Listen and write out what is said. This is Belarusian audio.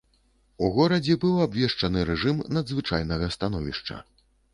У горадзе быў абвешчаны рэжым надзвычайнага становішча.